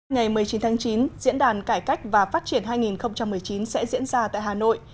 ngày một mươi chín tháng chín diễn đàn cải cách và phát triển hai nghìn một mươi chín sẽ diễn ra tại hà nội